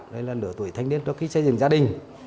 đây là nửa tuổi thanh niên trước khi xây dựng gia đình